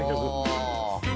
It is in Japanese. ああ。